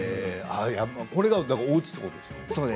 これがおうちということですか。